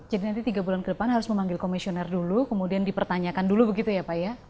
jadi nanti tiga bulan ke depan harus memanggil komisioner dulu kemudian dipertanyakan dulu begitu ya pak ya